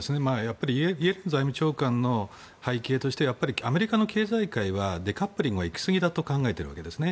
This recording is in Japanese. イエレン財務長官の背景としてはアメリカの経済界はデカップリングは行き過ぎだと考えているわけですね。